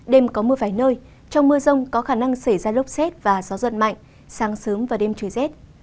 đêm có mưa vài nơi trong mưa rông có khả năng xảy ra lốc xét và gió giật mạnh sáng sớm và đêm trời rét